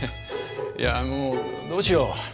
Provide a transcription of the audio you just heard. いやもうどうしよう。